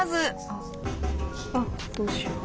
あっあっどうしよう。